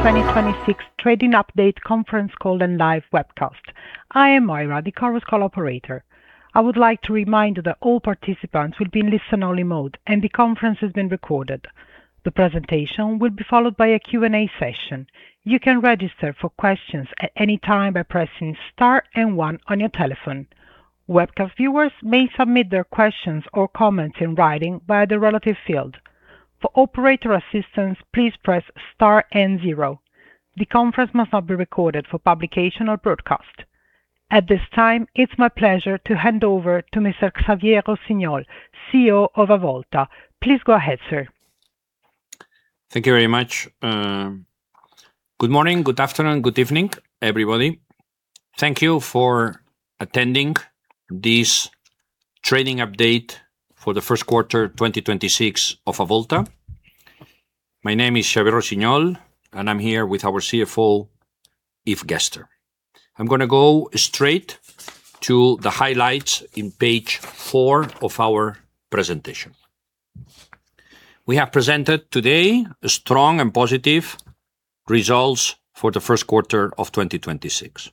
Q1 2026 trading update conference call and live webcast. I am Moira, the Chorus Call operator. I would like to remind you that all participants will be in listen-only mode, and the conference is being recorded. The presentation will be followed by a Q&A session. You can register for questions at any time by pressing star one on your telephone. Webcast viewers may submit their questions or comments in writing via the relative field. For operator assistance, please press star and zero. The conference must not be recorded for publication or broadcast. At this time, it's my pleasure to hand over to Mr. Xavier Rossinyol, CEO of Avolta. Please go ahead, sir. Thank you very much. Good morning, good afternoon, good evening, everybody. Thank you for attending this trading update for the first quarter 2026 of Avolta. My name is Xavier Rossinyol, and I'm here with our CFO, Yves Gerster. I'm gonna go straight to the highlights in page four of our presentation. We have presented today strong and positive results for the first quarter of 2026.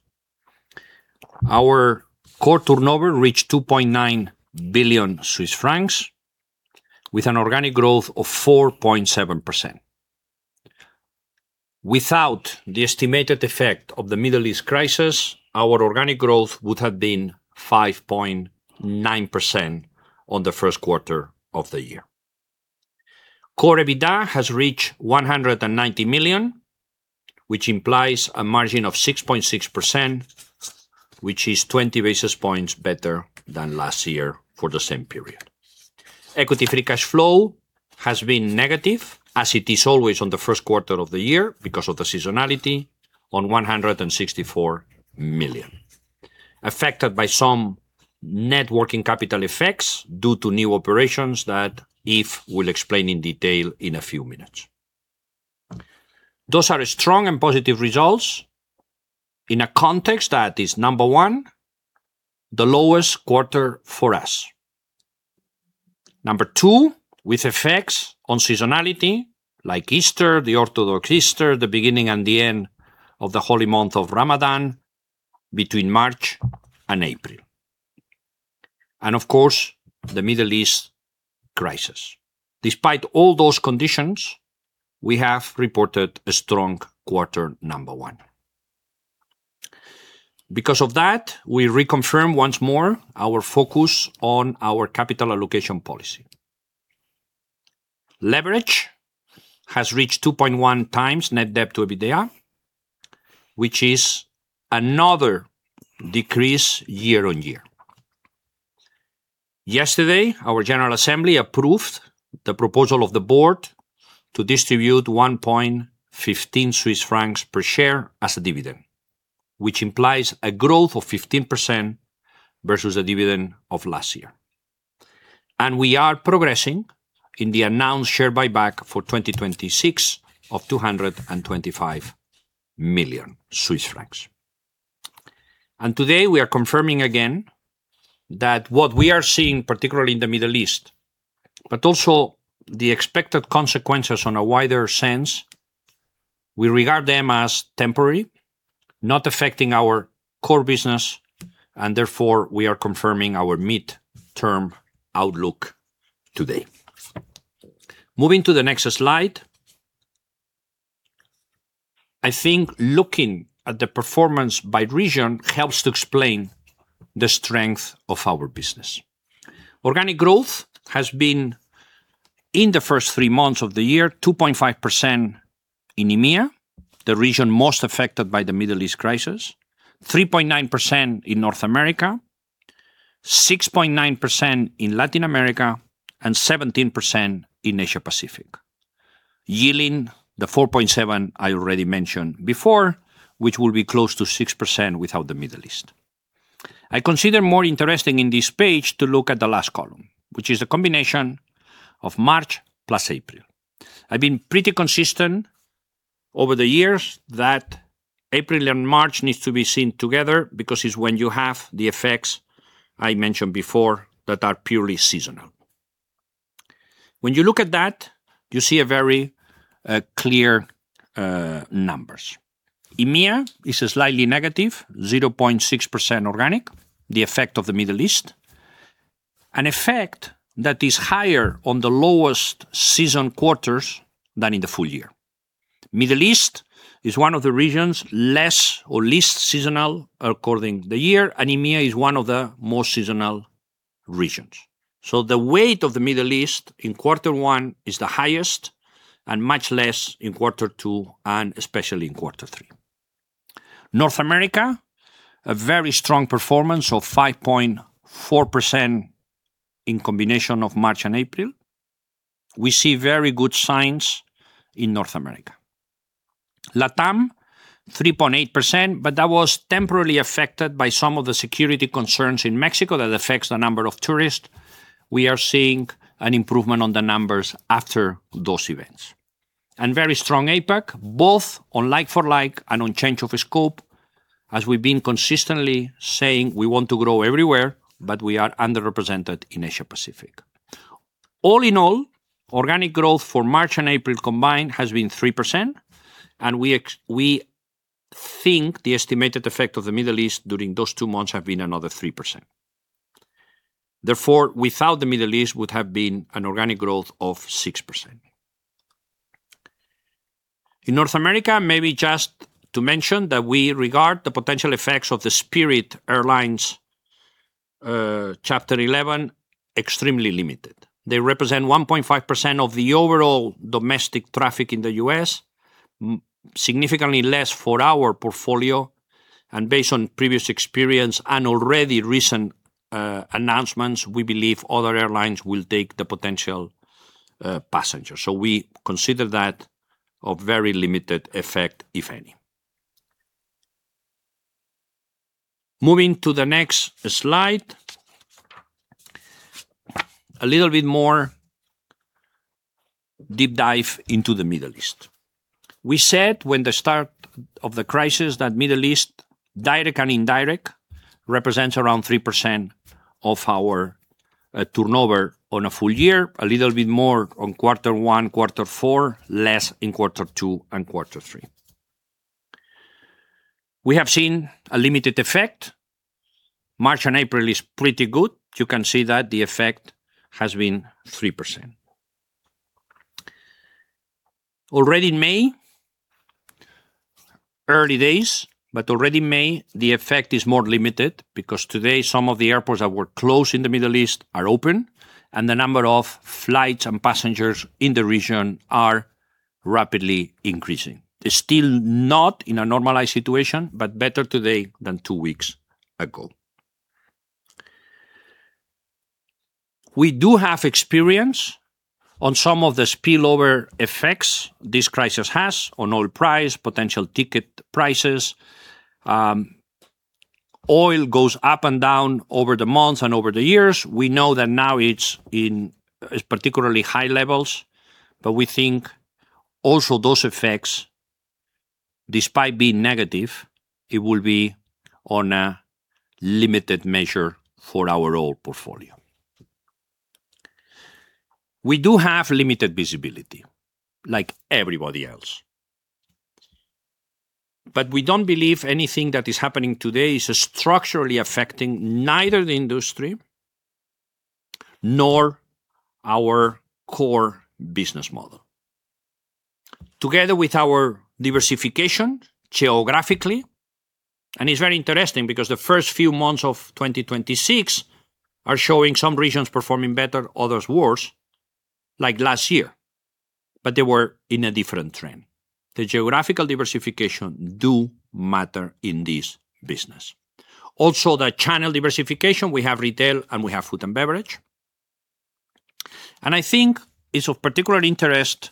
Our core turnover reached 2.9 billion Swiss francs with an organic growth of 4.7%. Without the estimated effect of the Middle East crisis, our organic growth would have been 5.9% on the first quarter of the year. Core EBITDA has reached 190 million, which implies a margin of 6.6%, which is 20 basis points better than last year for the same period. Equity free cash flow has been negative, as it is always on the first quarter of the year because of the seasonality on 164 million. Affected by some net working capital effects due to new operations that Yves will explain in detail in a few minutes. Those are strong and positive results in a context that is, number one, the lowest quarter for us. Number two, with effects on seasonality like Easter, the Orthodox Easter, the beginning and the end of the holy month of Ramadan between March and April, and of course, the Middle East crisis. Despite all those conditions, we have reported a strong quarter one. Because of that, we reconfirm once more our focus on our capital allocation policy. Leverage has reached 2.1x net debt to EBITDA, which is another decrease year-on-year. Yesterday, our general assembly approved the proposal of the Board to distribute 1.15 Swiss francs per share as a dividend, which implies a growth of 15% versus the dividend of last year. We are progressing in the announced share buyback for 2026 of 225 million Swiss francs. Today, we are confirming again that what we are seeing, particularly in the Middle East, but also the expected consequences on a wider sense, we regard them as temporary, not affecting our core business, and therefore, we are confirming our mid-term outlook today. Moving to the next slide. I think looking at the performance by region helps to explain the strength of our business. Organic growth has been, in the first three months of the year, 2.5% in EMEA, the region most affected by the Middle East crisis, 3.9% in North America, 6.9% in Latin America, and 17% in Asia-Pacific, yielding the 4.7% I already mentioned before, which will be close to 6% without the Middle East. I consider more interesting in this page to look at the last column, which is a combination of March plus April. I've been pretty consistent over the years that April and March needs to be seen together because it's when you have the effects I mentioned before that are purely seasonal. You look at that, you see a very clear numbers. EMEA is slightly negative, 0.6% organic, the effect of the Middle East, an effect that is higher on the lowest season quarters than in the full year. Middle East is one of the regions less or least seasonal according the year, and EMEA is one of the most seasonal regions. The weight of the Middle East in quarter one is the highest and much less in quarter two and especially in quarter three. North America, a very strong performance of 5.4% in combination of March and April. We see very good signs in North America. LATAM, 3.8%, but that was temporarily affected by some of the security concerns in Mexico that affects the number of tourists. We are seeing an improvement on the numbers after those events. Very strong APAC, both on like-for-like and on change of scope, as we've been consistently saying we want to grow everywhere, but we are underrepresented in Asia-Pacific. All in all, organic growth for March and April combined has been 3%, and we think the estimated effect of the Middle East during those two months have been another 3%. Without the Middle East would have been an organic growth of 6%. In North America, maybe just to mention that we regard the potential effects of the Spirit Airlines, Chapter 11 extremely limited. They represent 1.5% of the overall domestic traffic in the U.S., significantly less for our portfolio. Based on previous experience and already recent announcements, we believe other airlines will take the potential passengers. We consider that a very limited effect, if any. Moving to the next slide. A little bit more deep dive into the Middle East. We said when the start of the crisis that Middle East, direct and indirect, represents around 3% of our turnover on a full year, a little bit more on quarter one, quarter four, less in quarter two and quarter three. We have seen a limited effect. March and April is pretty good. You can see that the effect has been 3%. Already in May, early days, but already May, the effect is more limited because today some of the airports that were closed in the Middle East are open, and the number of flights and passengers in the region are rapidly increasing. They're still not in a normalized situation, but better today than two weeks ago. We do have experience on some of the spillover effects this crisis has on oil price, potential ticket prices. Oil goes up and down over the months and over the years. We know that now it's particularly high levels, but we think also those effects, despite being negative, it will be on a limited measure for our oil portfolio. We do have limited visibility, like everybody else. We don't believe anything that is happening today is structurally affecting neither the industry nor our core business model. Together with our diversification geographically, and it's very interesting because the first few months of 2026 are showing some regions performing better, others worse, like last year, but they were in a different trend. The geographical diversification do matter in this business. Also, the channel diversification, we have retail and we have food and beverage. I think it's of particular interest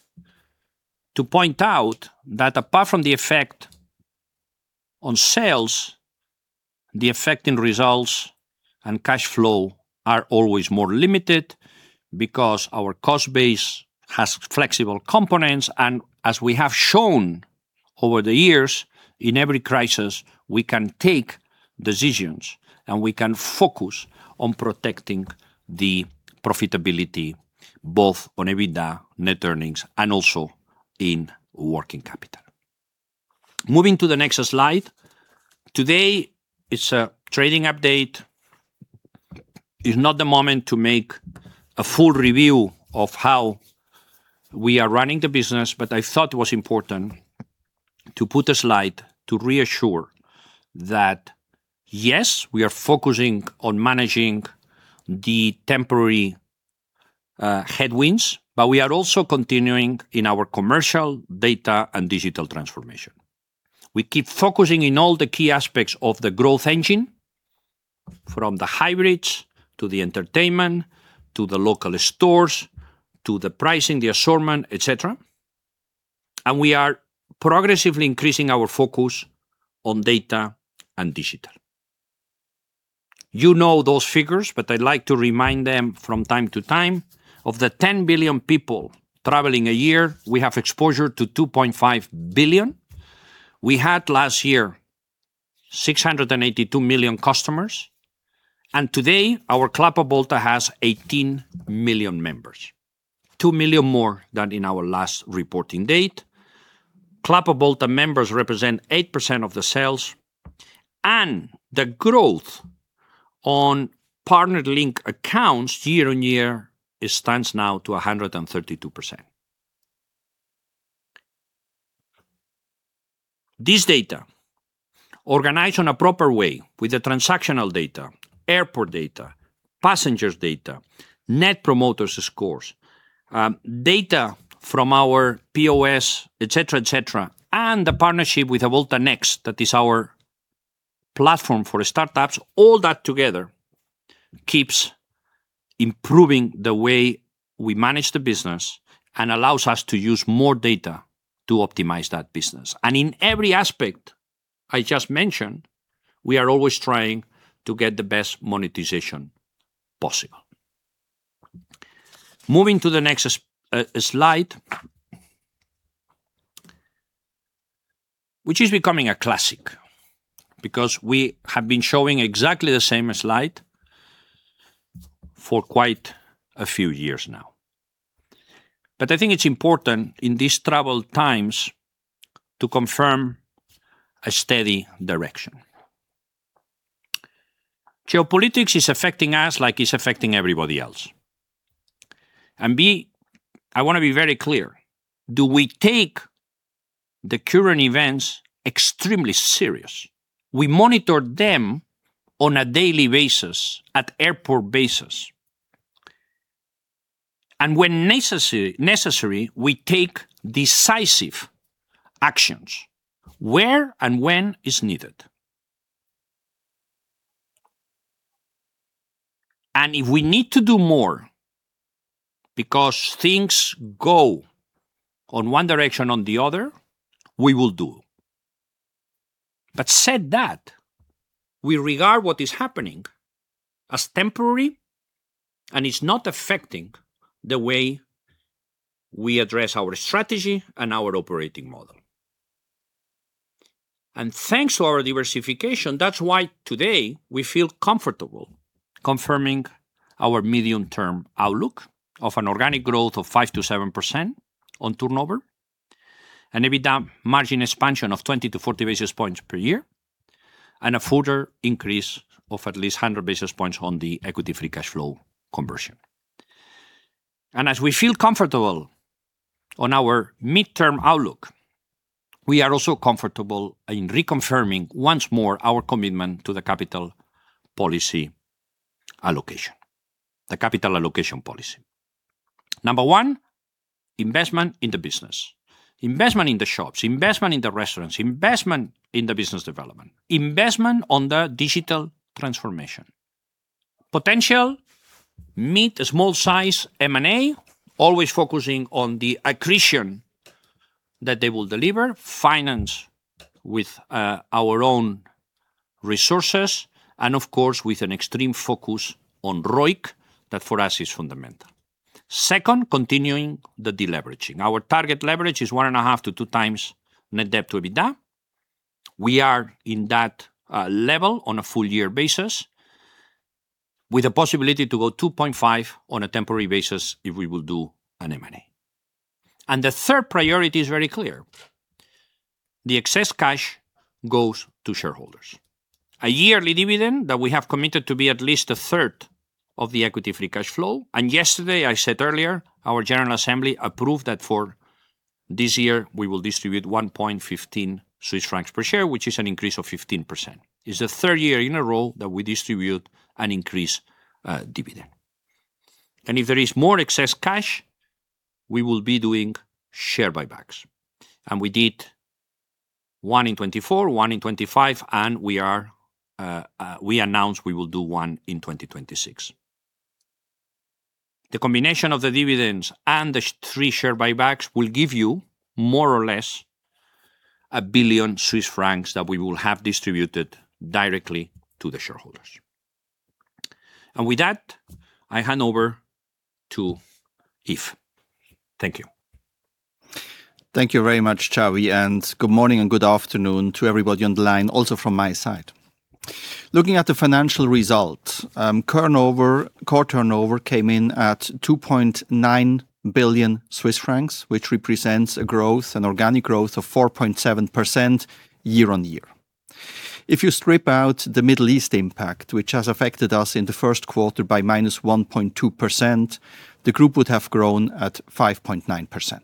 to point out that apart from the effect on sales, the effect in results and cash flow are always more limited because our cost base has flexible components. As we have shown over the years, in every crisis, we can take decisions, and we can focus on protecting the profitability, both on EBITDA, net earnings, and also in working capital. Moving to the next slide. Today is a trading update. It's not the moment to make a full review of how we are running the business, but I thought it was important to put a slide to reassure that, yes, we are focusing on managing the temporary headwinds, but we are also continuing in our commercial data and digital transformation. We keep focusing in all the key aspects of the growth engine, from the hybrids to the entertainment, to the local stores, to the pricing, the assortment, et cetera. We are progressively increasing our focus on data and digital. You know those figures, but I like to remind them from time to time. Of the 10 billion people traveling a year, we have exposure to 2.5 billion. We had last year 682 million customers, and today our Club Avolta has 18 million members, 2 million more than in our last reporting date. Club Avolta members represent 8% of the sales, and the growth on partnered link accounts year-over-year, it stands now to 132%. This data, organized in a proper way with the transactional data, airport data, passengers data, Net Promoter Scores, data from our POS, et cetera, et cetera, and the partnership with Avolta Next, that is our platform for startups, all that together keeps improving the way we manage the business and allows us to use more data to optimize that business. In every aspect I just mentioned, we are always trying to get the best monetization possible. Moving to the next slide. Which is becoming a classic because we have been showing exactly the same slide for quite a few years now. I think it's important in these troubled times to confirm a steady direction. Geopolitics is affecting us like it's affecting everybody else. B, I wanna be very clear, we do take the current events extremely serious. We monitor them on a daily basis at airport basis. When necessary, we take decisive actions where and when is needed. If we need to do more because things go on one direction or the other, we will do. Said that, we regard what is happening as temporary, and it's not affecting the way we address our strategy and our operating model. Thanks to our diversification, that's why today we feel comfortable confirming our medium-term outlook of an organic growth of 5% to 7% on turnover, an EBITDA margin expansion of 20-40 basis points per year, and a further increase of at least 100 basis points on the equity free cash flow conversion. As we feel comfortable on our midterm outlook, we are also comfortable in reconfirming once more our commitment to the capital policy allocation. The capital allocation policy. Number one, investment in the business. Investment in the shops, investment in the restaurants, investment in the business development, investment on the digital transformation. Potential mid- to small-size M&A, always focusing on the accretion that they will deliver, financed with our own resources and, of course, with an extreme focus on ROIC that for us is fundamental. Second, continuing the deleveraging. Our target leverage is 1.5x-2x net debt to EBITDA. We are in that level on a full-year basis with a possibility to go 2.5x on a temporary basis if we will do an M&A. The third priority is very clear. The excess cash goes to shareholders. A yearly dividend that we have committed to be at least 1/3 of the equity free cash flow. Yesterday, I said earlier, our general assembly approved that for this year we will distribute 1.15 Swiss francs per share, which is an increase of 15%. It's the third year in a row that we distribute an increased dividend. If there is more excess cash, we will be doing share buybacks. We did one in 2024, one in 2025, and we announced we will do one in 2026. The combination of the dividends and the three share buybacks will give you more or less 1 billion Swiss francs that we will have distributed directly to the shareholders. With that, I hand over to Yves. Thank you. Thank you very much, Xavi, and good morning and good afternoon to everybody on the line also from my side. Looking at the financial result, turnover, core turnover came in at 2.9 billion Swiss francs, which represents a growth, an organic growth of 4.7% year-on-year. If you strip out the Middle East impact, which has affected us in the first quarter by -1.2%, the group would have grown at 5.9%.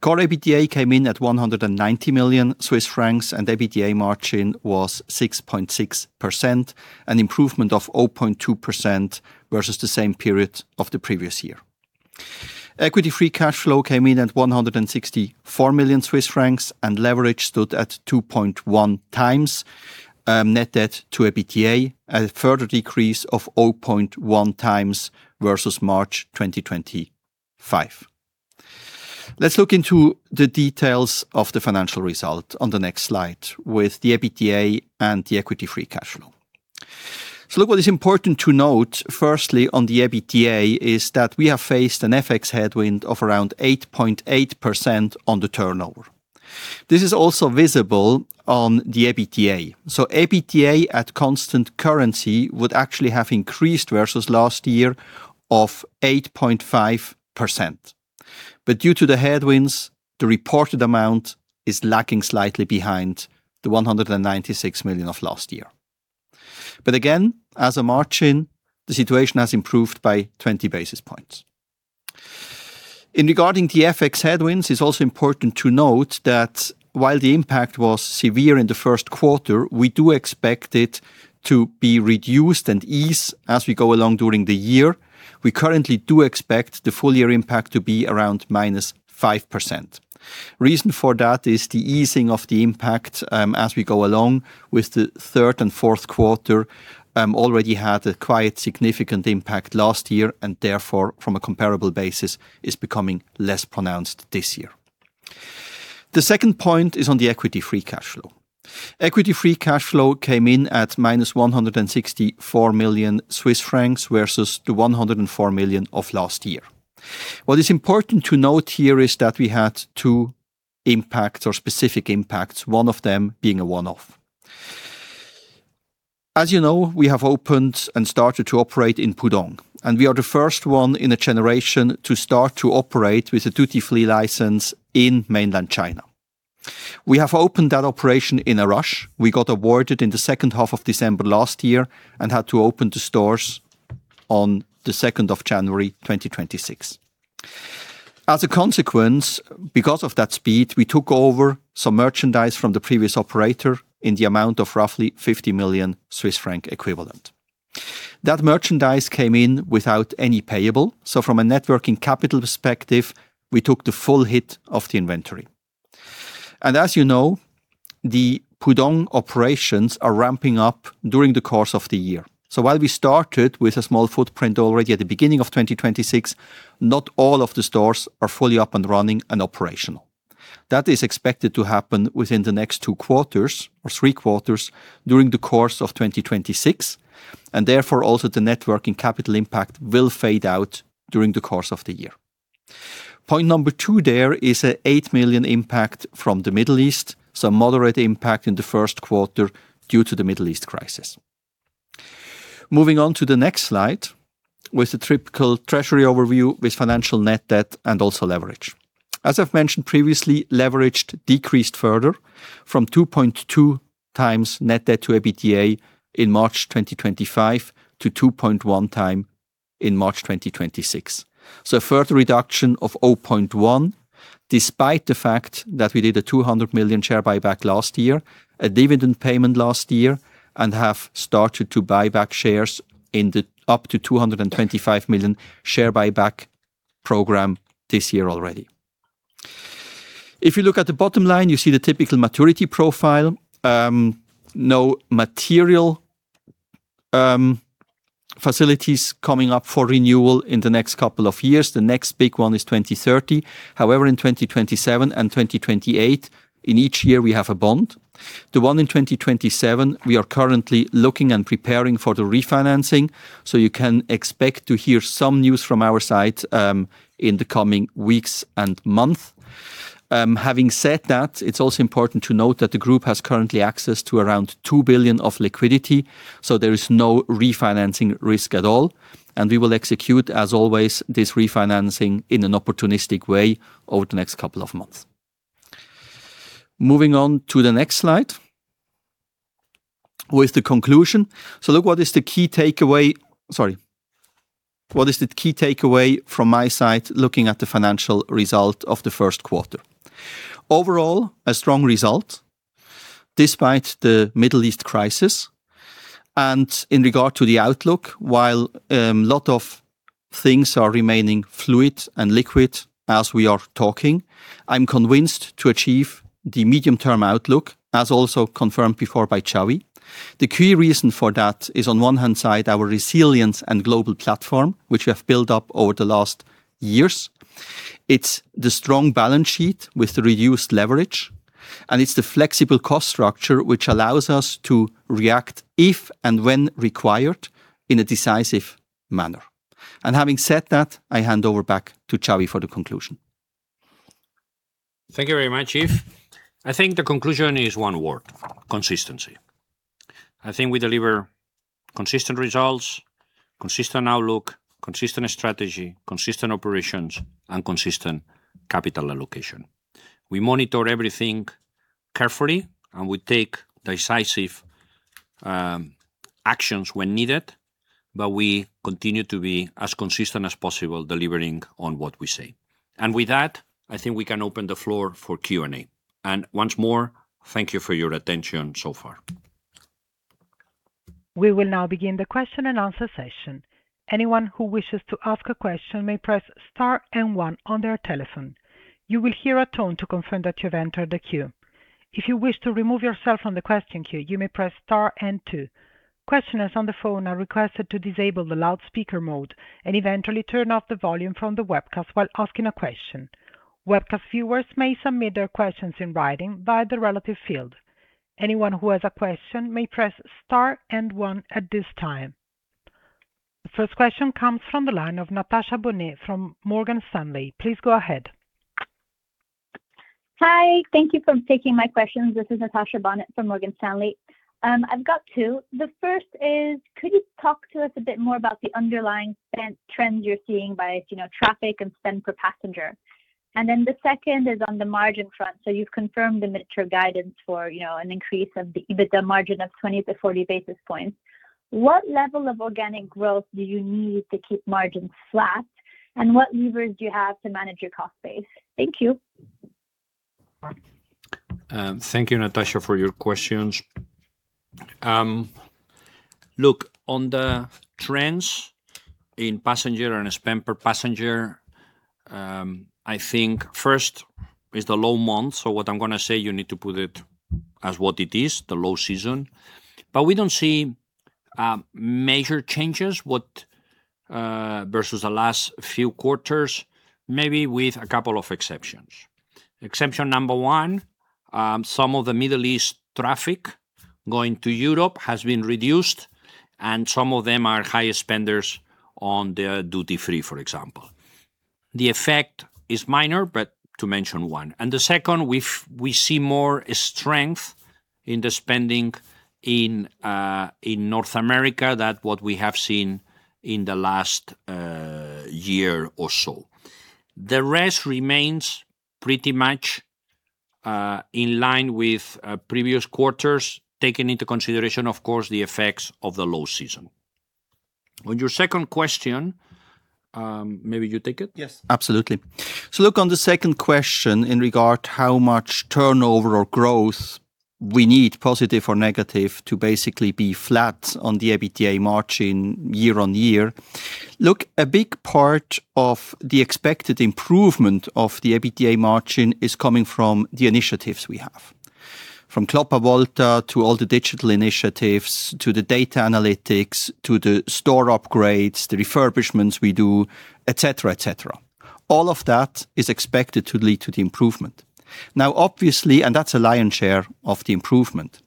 Core EBITDA came in at 190 million Swiss francs, and EBITDA margin was 6.6%, an improvement of 0.2% versus the same period of the previous year. Equity free cash flow came in at 164 million Swiss francs, leverage stood at 2.1x net debt to EBITDA, a further decrease of 0.1x versus March 2025. Let's look into the details of the financial result on the next slide with the EBITDA and the equity free cash flow. Look, what is important to note, firstly, on the EBITDA, is that we have faced an FX headwind of around 8.8% on the turnover. This is also visible on the EBITDA. EBITDA at constant currency would actually have increased versus last year of 8.5%. Due to the headwinds, the reported amount is lacking slightly behind the 196 million of last year. Again, as a margin, the situation has improved by 20 basis points. In regarding the FX headwinds, it's also important to note that while the impact was severe in the first quarter, we do expect it to be reduced and ease as we go along during the year. We currently do expect the full-year impact to be around -5%. Reason for that is the easing of the impact, as we go along with the third and fourth quarter, already had a quite significant impact last year and therefore, from a comparable basis, is becoming less pronounced this year. The second point is on the equity free cash flow. Equity free cash flow came in at -164 million Swiss francs versus the -104 million of last year. What is important to note here is that we had two impacts or specific impacts, one of them being a one-off. As you know, we have opened and started to operate in Pudong, and we are the first one in a generation to start to operate with a duty-free license in mainland China. We have opened that operation in a rush. We got awarded in the second half of December last year and had to open the stores on the 2nd of January, 2026. As a consequence, because of that speed, we took over some merchandise from the previous operator in the amount of roughly 50 million Swiss franc equivalent. That merchandise came in without any payable. From a net working capital perspective, we took the full hit of the inventory. As you know, the Pudong operations are ramping up during the course of the year. While we started with a small footprint already at the beginning of 2026, not all of the stores are fully up and running and operational. That is expected to happen within the next two quarters or three quarters during the course of 2026, therefore, also the net working capital impact will fade out during the course of the year. Point number two there is a 8 million impact from the Middle East, moderate impact in the first quarter due to the Middle East crisis. Moving on to the next slide, with the typical treasury overview with financial net debt and also leverage. As I've mentioned previously, leverage decreased further from 2.2x net debt to EBITDA in March 2025 to 2.1x in March 2026. A further reduction of 0.1x, despite the fact that we did a 200 million share buyback last year, a dividend payment last year, and have started to buy back shares up to 225 million share buyback program this year already. If you look at the bottom line, you see the typical maturity profile. No material facilities coming up for renewal in the next couple of years. The next big one is 2030. However, in 2027 and 2028, in each year, we have a bond. The one in 2027, we are currently looking and preparing for the refinancing, so you can expect to hear some news from our side in the coming weeks and month. Having said that, it's also important to note that the group has currently access to around 2 billion of liquidity, so there is no refinancing risk at all, and we will execute, as always, this refinancing in an opportunistic way over the next couple of months. Moving on to the next slide, with the conclusion. What is the key takeaway from my side looking at the financial result of the first quarter? Overall, a strong result despite the Middle East crisis. In regard to the outlook, while a lot of things are remaining fluid and liquid as we are talking, I'm convinced to achieve the medium-term outlook as also confirmed before by Xavi. The key reason for that is on one hand side, our resilience and global platform, which we have built up over the last years. It's the strong balance sheet with the reduced leverage, and it's the flexible cost structure which allows us to react if and when required in a decisive manner. Having said that, I hand over back to Xavi for the conclusion. Thank you very much, Yves. I think the conclusion is one word, consistency. I think we deliver consistent results, consistent outlook, consistent strategy, consistent operations, and consistent capital allocation. We monitor everything carefully, and we take decisive actions when needed, but we continue to be as consistent as possible delivering on what we say. With that, I think we can open the floor for Q&A. Once more, thank you for your attention so far. We will now begin the question-and-answer session. Anyone who wishes to ask a question may press star and one on their telephone. You will hear a tone to confirm that you have entered the queue. If you wish to remove yourself from the question queue, you may press star and two. Questioners on the phone are requested to disable the loudspeaker mode and eventually turn off the volume from the webcast while asking a question. Webcast viewers may submit their questions in writing via the relative field. Anyone who has a question may press star and one at this time. The first question comes from the line of Natasha Bonnet from Morgan Stanley. Please go ahead. Hi. Thank you for taking my questions. This is Natasha Bonnet from Morgan Stanley. I've got two. The first is, could you talk to us a bit more about the underlying spend trends you're seeing by, you know, traffic and spend per passenger? The second is on the margin front. You've confirmed the mid-term guidance for, you know, an increase of the EBITDA margin of 20-40 basis points. What level of organic growth do you need to keep margins flat? What levers do you have to manage your cost base? Thank you. Thank you, Natasha, for your questions. On the trends in passenger and spend per passenger, I think first is the low month. What I'm going to say, you need to put it as what it is, the low season. We don't see major changes. Versus the last few quarters, maybe with a couple of exceptions. Exception number one, some of the Middle East traffic going to Europe has been reduced, and some of them are higher spenders on their duty-free, for example. The effect is minor, but to mention one. The second, we see more strength in the spending in North America that what we have seen in the last year or so. The rest remains pretty much in line with previous quarters, taking into consideration, of course, the effects of the low season. On your second question, maybe you take it? Yes, absolutely. Look, on the second question in regard how much turnover or growth we need, positive or negative, to basically be flat on the EBITDA margin year-on-year. Look, a big part of the expected improvement of the EBITDA margin is coming from the initiatives we have. From Club Avolta to all the digital initiatives, to the data analytics, to the store upgrades, the refurbishments we do, et cetera, et cetera. All of that is expected to lead to the improvement. Obviously, that's the lion's share of the improvement.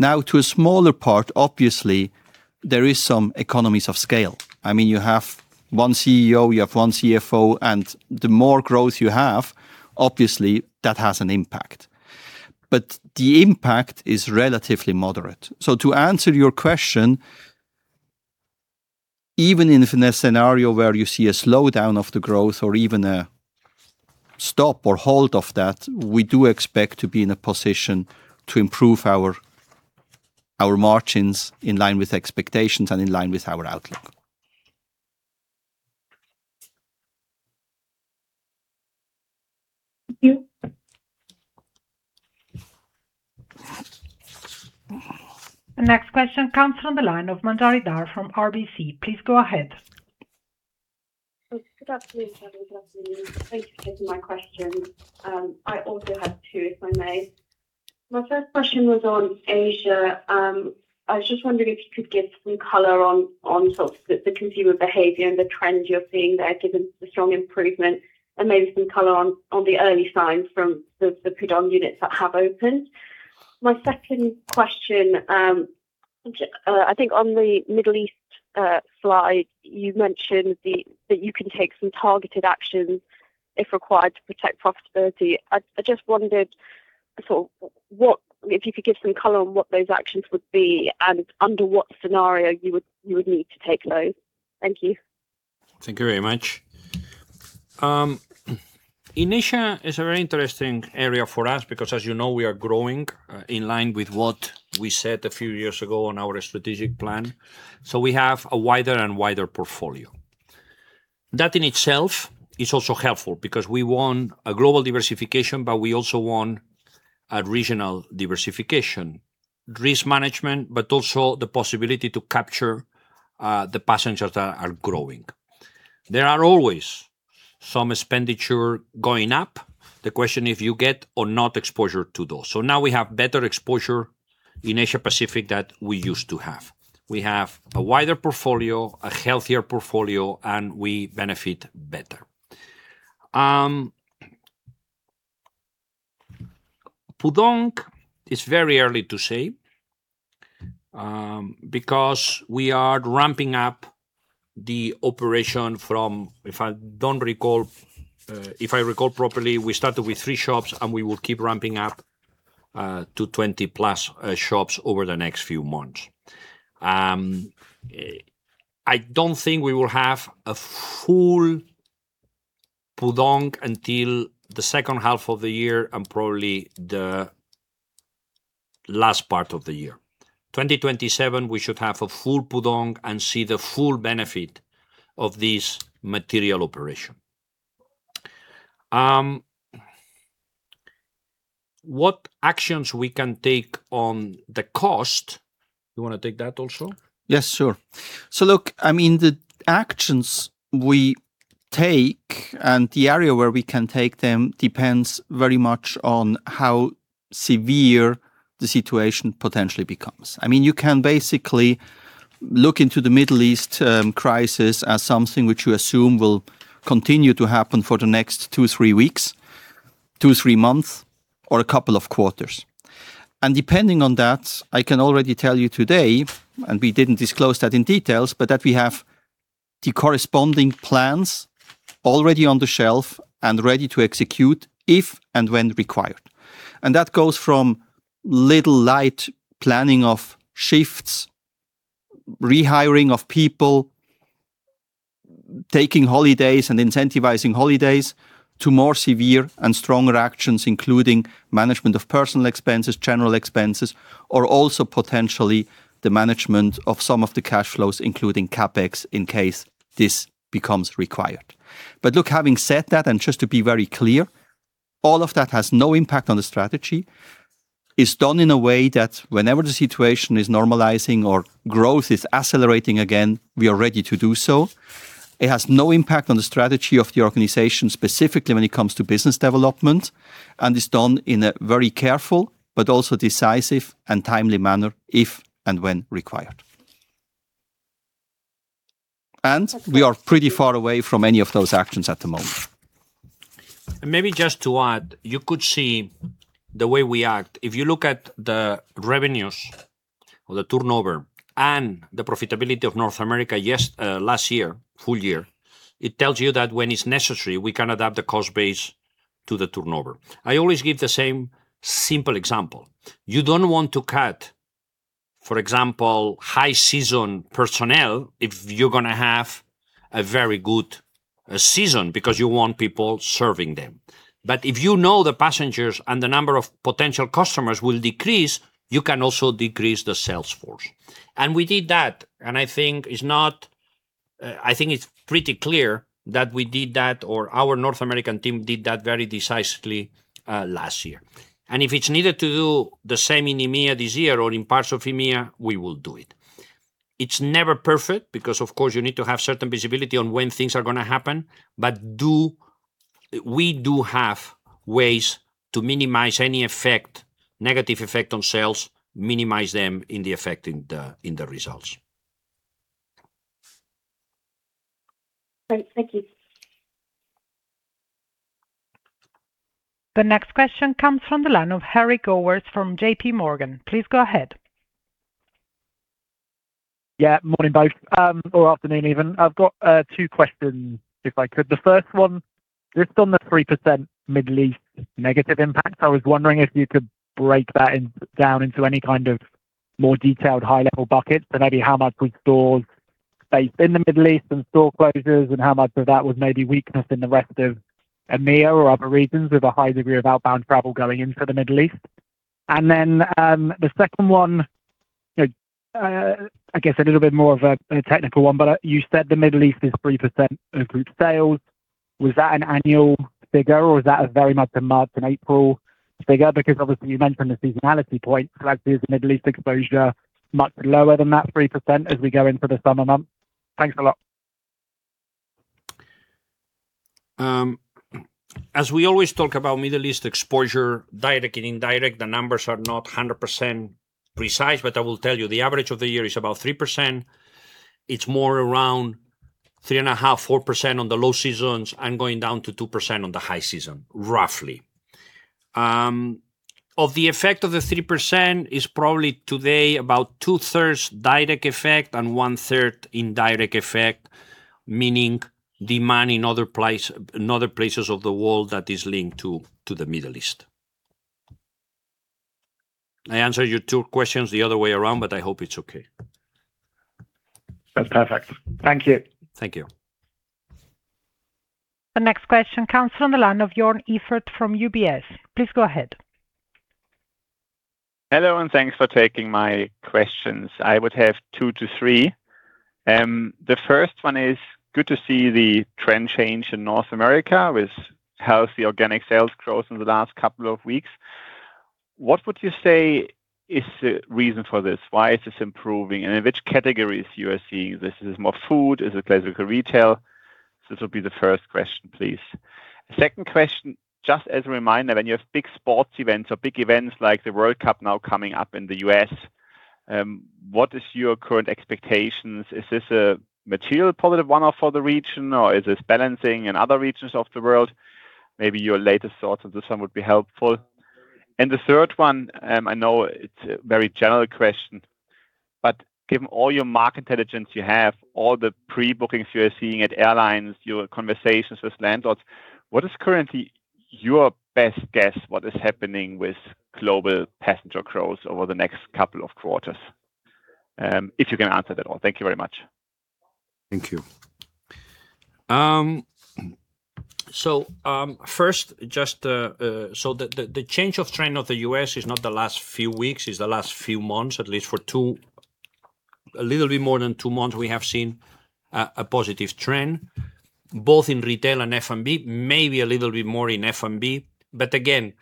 To a smaller part, obviously, there is some economies of scale. I mean, you have one CEO, you have one CFO, the more growth you have, obviously, that has an impact. The impact is relatively moderate. To answer your question, even in a scenario where you see a slowdown of the growth or even a stop or hold of that, we do expect to be in a position to improve our margins in line with expectations and in line with our outlook. Thank you. The next question comes from the line of Manjari Dhar from RBC. Please go ahead. Good afternoon, gentlemen. Thank you for taking my questions. I also have two, if I may. My first question was on Asia. I was just wondering if you could give some color on sort of the consumer behavior and the trends you're seeing there, given the strong improvement, and maybe some color on the early signs from the Pudong units that have opened. My second question, I think on the Middle East slide, you mentioned that you can take some targeted actions if required to protect profitability. I just wondered sort of if you could give some color on what those actions would be and under what scenario you would need to take those. Thank you. Thank you very much. Asia is a very interesting area for us because, as you know, we are growing in line with what we said a few years ago on our strategic plan. We have a wider and wider portfolio. That in itself is also helpful because we want a global diversification, but we also want a regional diversification. Risk management, but also the possibility to capture the passengers that are growing. There are always some expenditure going up. The question if you get or not exposure to those. Now we have better exposure in Asia-Pacific that we used to have. We have a wider portfolio, a healthier portfolio, and we benefit better. Pudong is very early to say, because we are ramping up the operation from, if I recall properly, we started with two shops, and we will keep ramping up to 20+ shops over the next few months. I don't think we will have a full Pudong until the second half of the year and probably the last part of the year. Twenty twenty-seven, we should have a full Pudong and see the full benefit of this material operation. What actions we can take on the cost, you wanna take that also? Yes, sure. Look, I mean, the actions we take and the area where we can take them depends very much on how severe the situation potentially becomes. I mean, you can basically look into the Middle East crisis as something which you assume will continue to happen for the next two, three weeks, two, three months, or a couple of quarters. Depending on that, I can already tell you today, and we didn't disclose that in details, but that we have the corresponding plans already on the shelf and ready to execute if and when required. That goes from light planning of shifts, rehiring of people, taking holidays and incentivizing holidays, to more severe and stronger actions, including management of personal expenses, general expenses, or also potentially the management of some of the cash flows, including CapEx, in case this becomes required. Look, having said that, and just to be very clear, all of that has no impact on the strategy. It's done in a way that whenever the situation is normalizing or growth is accelerating again, we are ready to do so. It has no impact on the strategy of the organization, specifically when it comes to business development and is done in a very careful but also decisive and timely manner if and when required. We are pretty far away from any of those actions at the moment. Maybe just to add, you could see the way we act. If you look at the revenues or the turnover and the profitability of North America, yes, last year, full year, it tells you that when it's necessary, we can adapt the cost base to the turnover. I always give the same simple example. You don't want to cut, for example, high season personnel if you're gonna have a very good season because you want people serving them. If you know the passengers and the number of potential customers will decrease, you can also decrease the sales force. We did that, and I think it's not, I think it's pretty clear that we did that or our North American team did that very decisively last year. If it's needed to do the same in EMEA this year or in parts of EMEA, we will do it. It's never perfect because, of course, you need to have certain visibility on when things are going to happen. We do have ways to minimize any effect, negative effect on sales, minimize them in the effect in the results. Great. Thank you. The next question comes from the line of Harry Gowers from JPMorgan. Please go ahead. Yeah. Morning both, or afternoon even. I've got two questions, if I could. The first one, just on the 3% Middle East negative impact, I was wondering if you could break that down into any kind of more detailed high-level buckets. Maybe how much was stores based in the Middle East and store closures and how much of that was maybe weakness in the rest of EMEA or other regions with a high degree of outbound travel going into the Middle East? The second one, you know, I guess a little bit more of a technical one, but you said the Middle East is 3% of group sales. Was that an annual figure or was that a very much a March and April figure? Because obviously you mentioned the seasonality point. Actually, is the Middle East exposure much lower than that 3% as we go into the summer months? Thanks a lot. As we always talk about Middle East exposure, direct and indirect, the numbers are not 100% precise, but I will tell you, the average of the year is about 3%. It is more around 3.5%-4% on the low seasons and going down to 2% on the high season, roughly. Of the effect of the 3% is probably today about two-thirds direct effect and one-third indirect effect, meaning demand in other places of the world that is linked to the Middle East. I answered your two questions the other way around, but I hope it is okay. That's perfect. Thank you. Thank you. The next question comes from the line of Joern Iffert from UBS. Please go ahead. Hello, and thanks for taking my questions. I would have two to three. The first one is, good to see the trend change in North America with healthy organic sales growth in the last couple of weeks. What would you say is the reason for this? Why is this improving, and in which categories you are seeing this? Is this more food? Is it classical retail? This will be the first question, please. Second question, just as a reminder, when you have big sports events or big events like the World Cup now coming up in the U.S., what is your current expectations? Is this a material positive one-off for the region, or is this balancing in other regions of the world? Maybe your latest thoughts on this one would be helpful. The third one, I know it's a very general question, but given all your market intelligence you have, all the pre-bookings you are seeing at airlines, your conversations with landlords, what is currently your best guess what is happening with global passenger growth over the next couple of quarters? If you can answer that all. Thank you very much. Thank you. First, just, the change of trend of the U.S. is not the last few weeks, it's the last few months, at least for a little bit more than two months, we have seen a positive trend, both in retail and F&B, maybe a little bit more in F&B. But again,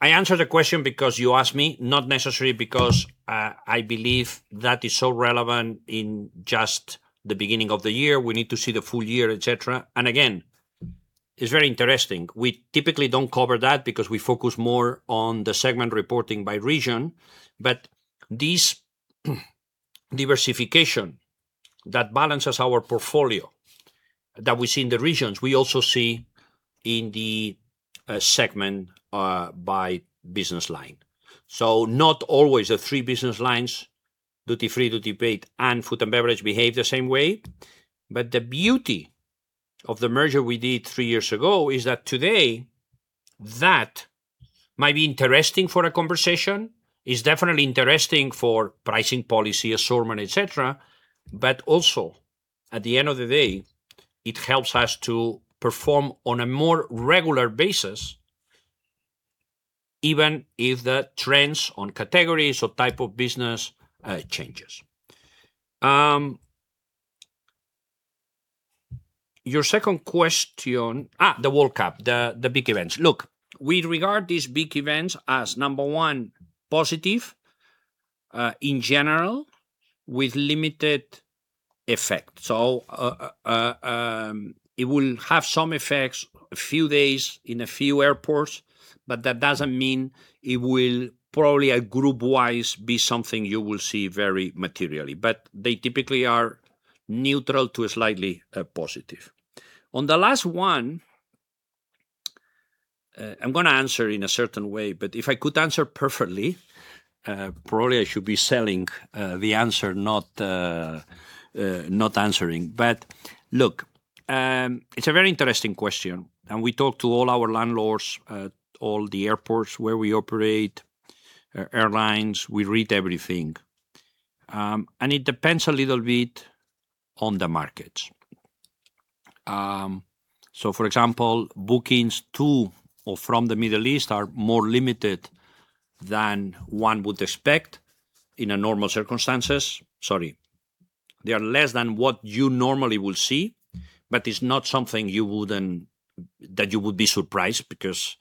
I answer the question because you asked me, not necessarily because, I believe that is so relevant in just the beginning of the year. We need to see the full year, et cetera. And again, it's very interesting. We typically don't cover that because we focus more on the segment reporting by region. But this diversification that balances our portfolio that we see in the regions, we also see in the segment, by business line. Not always the three business lines, duty-free, duty-paid, and food and beverage behave the same way. The beauty of the merger we did three years ago is that today, that might be interesting for a conversation. It's definitely interesting for pricing policy, assortment, et cetera. Also, at the end of the day, it helps us to perform on a more regular basis, even if the trends on categories or type of business changes. Your second question. The World Cup, the big events. Look, we regard these big events as, number one, positive, in general, with limited effect. It will have some effects, a few days in a few airports, but that doesn't mean it will probably group-wise be something you will see very materially. They typically are neutral to slightly positive. On the last one, I'm going to answer in a certain way, if I could answer perfectly, probably I should be selling the answer not answering. Look, it's a very interesting question, and we talked to all our landlords at all the airports where we operate, airlines, we read everything. It depends a little bit on the markets. For example, bookings to or from the Middle East are more limited than one would expect in a normal circumstances. Sorry. They are less than what you normally will see, but it's not something you would that you would be surprised because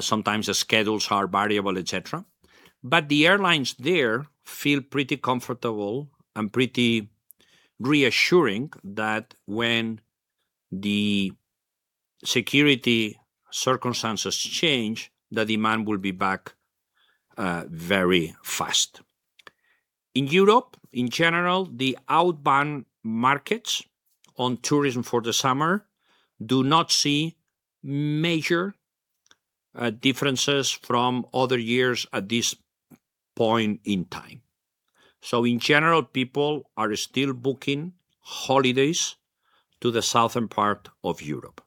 sometimes the schedules are variable, et cetera. The airlines there feel pretty comfortable and pretty reassuring that when the security circumstances change, the demand will be back very fast. In Europe, in general, the outbound markets on tourism for the summer do not see major differences from other years at this point in time. In general, people are still booking holidays to the southern part of Europe.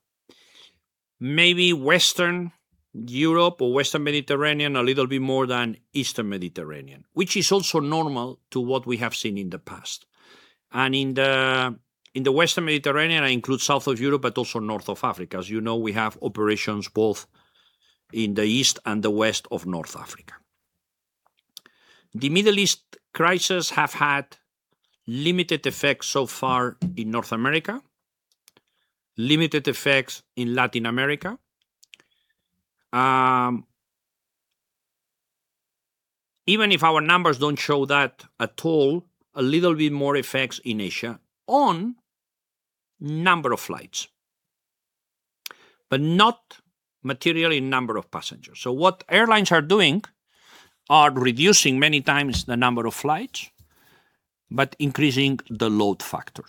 Maybe Western Europe or Western Mediterranean a little bit more than Eastern Mediterranean, which is also normal to what we have seen in the past. In the, in the Western Mediterranean, I include South of Europe, but also North of Africa. As you know, we have operations both in the east and the west of North Africa. The Middle East crisis have had limited effects so far in North America, limited effects in Latin America. Even if our numbers don't show that at all, a little bit more effects in Asia on number of flights, but not material in number of passengers. What airlines are doing are reducing many times the number of flights, but increasing the load factor.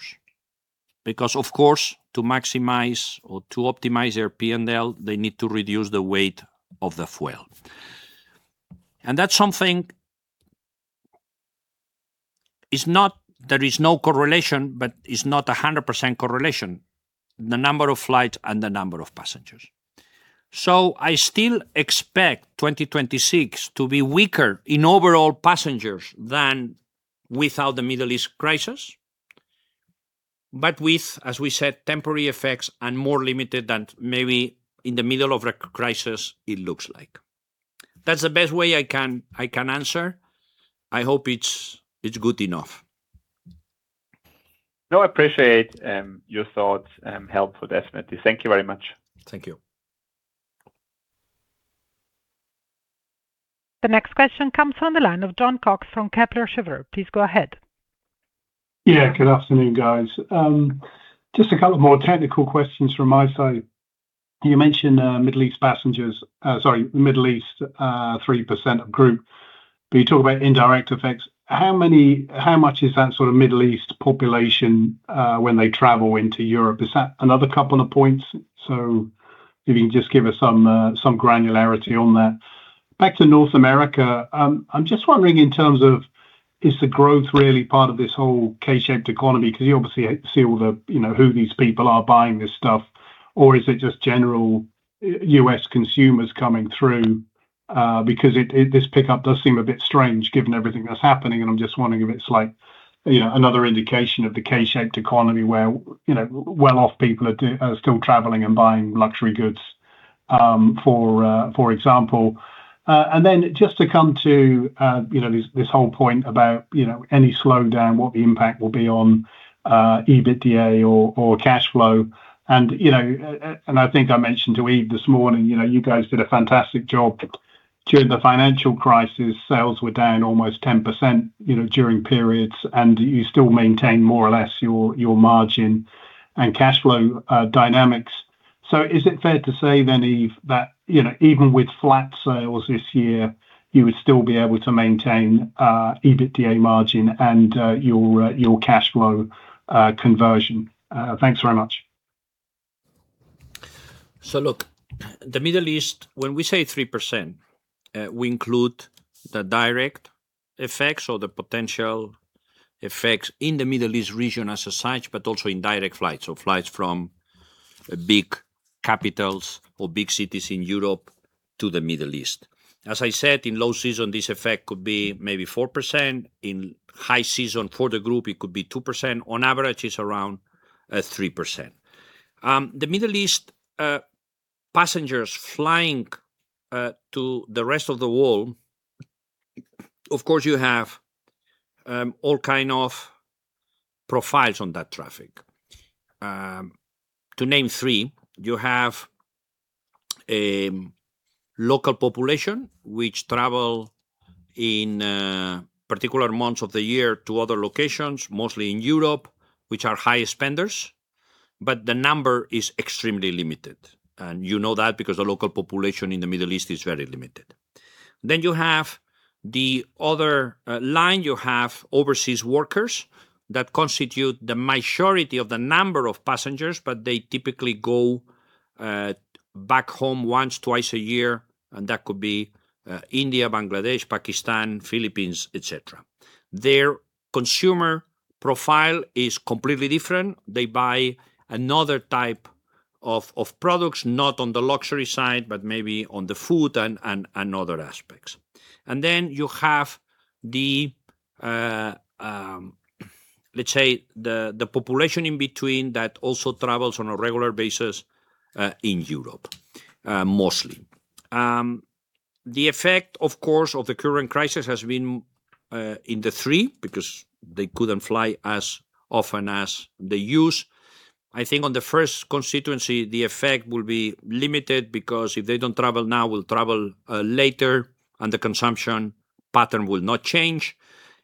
Because of course, to maximize or to optimize their P&L, they need to reduce the weight of the fuel. That's something It's not there is no correlation, but it's not a 100% correlation, the number of flights and the number of passengers. I still expect 2026 to be weaker in overall passengers than without the Middle East crisis, but with, as we said, temporary effects and more limited than maybe in the middle of the crisis it looks like. That's the best way I can answer. I hope it's good enough. No, I appreciate your thoughts, helpful, definitely. Thank you very much. Thank you. The next question comes on the line of Jon Cox from Kepler Cheuvreux. Please go ahead. Good afternoon, guys. Just a couple more technical questions from my side. You mentioned Middle East passengers. Sorry, Middle East, 3% of group. You talk about indirect effects. How much is that sort of Middle East population when they travel into Europe? Is that another couple of points? If you can just give us some granularity on that. Back to North America, I'm just wondering in terms of is the growth really part of this whole K-shaped economy? 'Cause you obviously see all the, you know, who these people are buying this stuff, or is it just general U.S. consumers coming through? Because this pickup does seem a bit strange given everything that's happening, and I'm just wondering if it's like, you know, another indication of the K-shaped economy where, you know, well-off people are still traveling and buying luxury goods, for example. Then just to come to, you know, this whole point about, you know, any slowdown, what the impact will be on EBITDA or cash flow. You know, and I think I mentioned to Yves this morning, you know, you guys did a fantastic job during the financial crisis. Sales were down almost 10%, you know, during periods, and you still maintain more or less your margin and cash flow dynamics. Is it fair to say then, Yves, that, you know, even with flat sales this year, you would still be able to maintain EBITDA margin and your cash flow conversion? Thanks very much. Look, the Middle East, when we say 3%, we include the direct effects or the potential effects in the Middle East region as such, but also in direct flights, so flights from big capitals or big cities in Europe to the Middle East. As I said, in low season, this effect could be maybe 4%. In high season for the group, it could be 2%. On average, it's around 3%. The Middle East passengers flying to the rest of the world, of course, you have all kind of profiles on that traffic. To name three, you have local population, which travel in particular months of the year to other locations, mostly in Europe, which are high spenders, but the number is extremely limited. You know that because the local population in the Middle East is very limited. You have overseas workers that constitute the majority of the number of passengers, but they typically go back home once, twice a year, and that could be India, Bangladesh, Pakistan, Philippines, et cetera. Their consumer profile is completely different. They buy another type of products, not on the luxury side, but maybe on the food and other aspects. You have the population in between that also travels on a regular basis in Europe mostly. The effect, of course, of the current crisis has been in the three because they couldn't fly as often as they used. I think on the first constituency, the effect will be limited because if they don't travel now, will travel later, the consumption pattern will not change.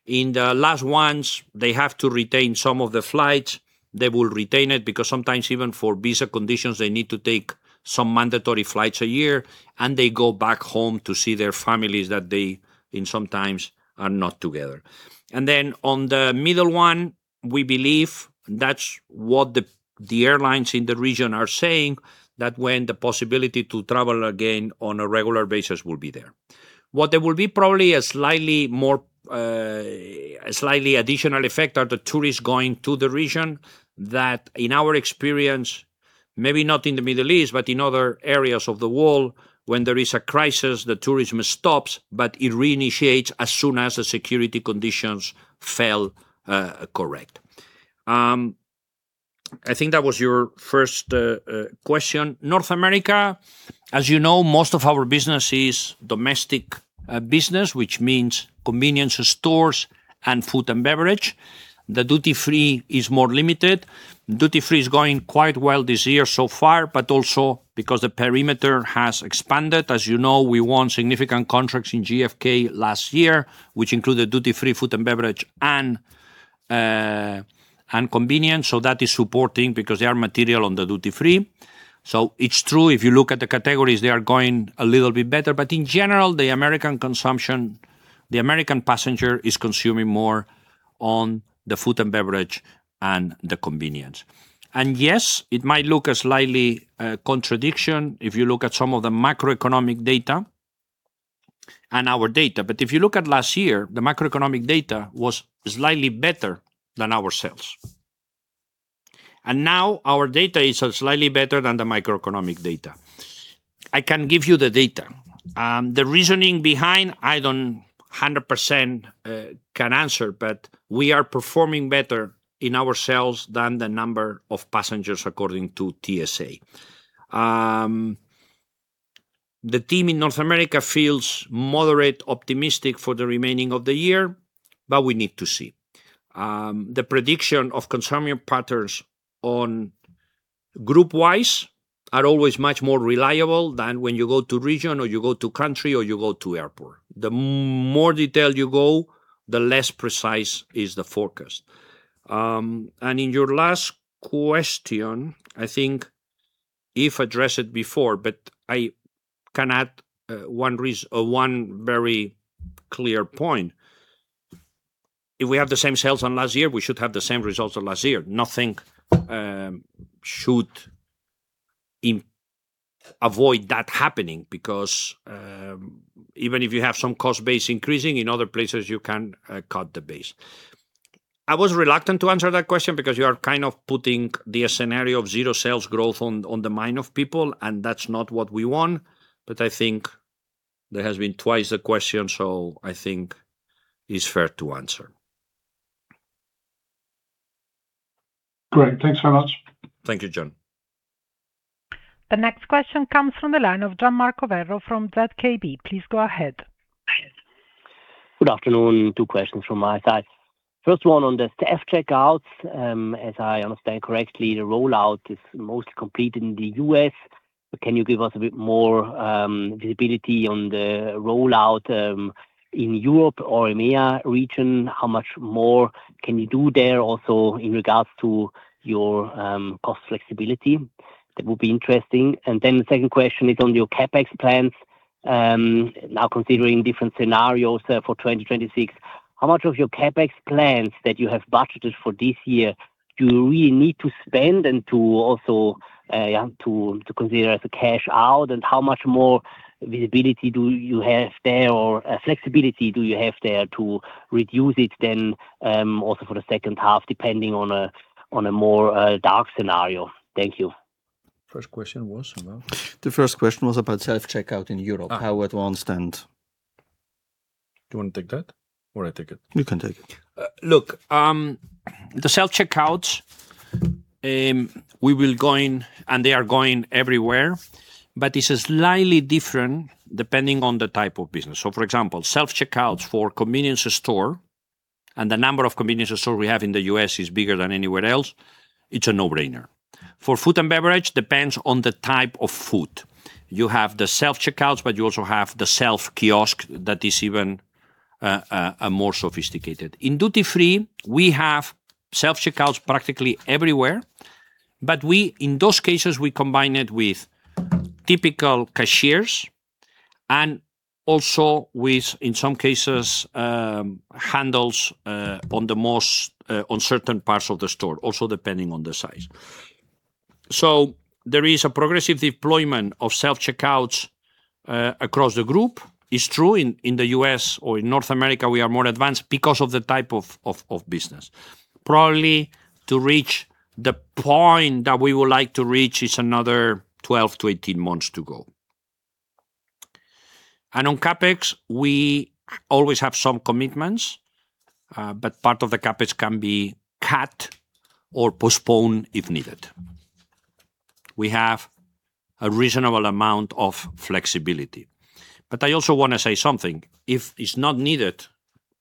In the last ones, they have to retain some of the flights. They will retain it because sometimes even for visa conditions, they need to take some mandatory flights a year, they go back home to see their families that they sometimes are not together. On the middle one, we believe that's what the airlines in the region are saying, that when the possibility to travel again on a regular basis will be there. What there will be probably a slightly more, a slightly additional effect are the tourists going to the region that in our experience, maybe not in the Middle East, but in other areas of the world, when there is a crisis, the tourism stops, but it reinitiates as soon as the security conditions fell correct. I think that was your first question. North America, as you know, most of our business is domestic business, which means convenience stores and food and beverage. The duty-free is more limited. Duty-free is going quite well this year so far. Also because the perimeter has expanded. As you know, we won significant contracts in JFK last year, which included duty-free food and beverage and convenience. That is supporting because they are material on the duty-free. It's true, if you look at the categories, they are going a little bit better. In general, the American consumption, the American passenger is consuming more on the food and beverage and the convenience. Yes, it might look a slightly contradiction if you look at some of the macroeconomic data and our data. If you look at last year, the macroeconomic data was slightly better than our sales. Now our data is slightly better than the microeconomic data. I can give you the data. The reasoning behind, I don't 100% can answer, but we are performing better in our sales than the number of passengers according to TSA. The team in North America feels moderate optimistic for the remaining of the year, but we need to see. The prediction of consuming patterns on group wise are always much more reliable than when you go to region, or you go to country, or you go to airport. The more detail you go, the less precise is the forecast. In your last question, I think if addressed before, but I can add one very clear point. If we have the same sales on last year, we should have the same results on last year. Nothing should avoid that happening because even if you have some cost base increasing, in other places you can cut the base. I was reluctant to answer that question because you are kind of putting the scenario of zero sales growth on the mind of people, and that's not what we want. I think there has been twice the question, so I think it's fair to answer. Great. Thanks very much. Thank you, Jon. The next question comes from the line of Gian Marco Werro from ZKB. Please go ahead. Good afternoon. Two questions from my side. First one on the self-checkouts. As I understand correctly, the rollout is most complete in the U.S. Can you give us a bit more visibility on the rollout in Europe or EMEA region? How much more can you do there also in regards to your cost flexibility? That would be interesting. The second question is on your CapEx plans. Now considering different scenarios for 2026, how much of your CapEx plans that you have budgeted for this year do you really need to spend and to also, yeah, to consider as a cash out? How much more visibility do you have there or flexibility do you have there to reduce it then also for the second half, depending on a more dark scenario? Thank you. First question was about? The first question was about self-checkout in Europe. How advanced and— Do you wanna take that or I take it? You can take it. Look, the self-checkouts, we will go in and they are going everywhere, it's slightly different depending on the type of business. For example, self-checkouts for convenience store, and the number of convenience store we have in the U.S. is bigger than anywhere else, it's a no-brainer. For food and beverage, depends on the type of food. You have the self-checkouts, but you also have the self-kiosk that is even more sophisticated. In duty-free, we have self-checkouts practically everywhere, but we, in those cases, we combine it with typical cashiers and also with, in some cases, handles on certain parts of the store, also depending on the size. There is a progressive deployment of self-checkouts across the group. It's true in the U.S. or in North America, we are more advanced because of the type of business. Probably to reach the point that we would like to reach is another 12-18 months to go. On CapEx, we always have some commitments, but part of the CapEx can be cut or postponed if needed. We have a reasonable amount of flexibility. I also wanna say something. If it's not needed,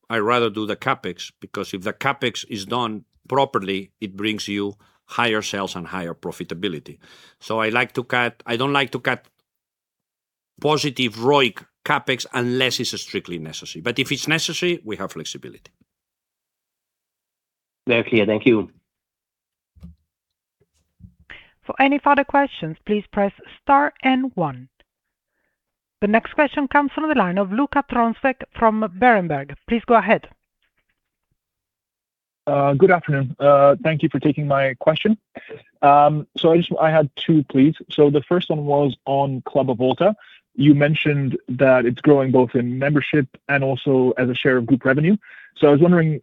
I rather do the CapEx, because if the CapEx is done properly, it brings you higher sales and higher profitability. I like to cut I don't like to cut positive ROIC CapEx unless it's strictly necessary. If it's necessary, we have flexibility. Very clear. Thank you. For any further questions, please press star and one. The next question comes from the line of Luca Trnovsek from Berenberg. Please go ahead. Good afternoon. Thank you for taking my question. I had two, please. The first one was on Club Avolta. You mentioned that it's growing both in membership and also as a share of group revenue. I was wondering,